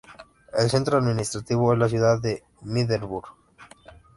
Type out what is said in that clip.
El centro administrativo es la ciudad de Middelburg